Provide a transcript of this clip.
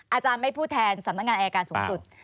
อาจารย์ไม่พูดแทนสำนักงานอายการสูงสุด